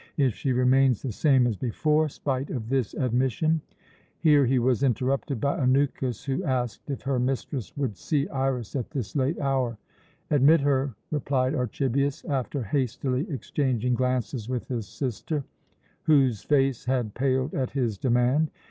If she remains the same as before, spite of this admission " Here he was interrupted by Anukis, who asked if her mistress would see Iras at this late hour. "Admit her," replied Archibius, after hastily exchanging glances with his sister, whose face had paled at his demand.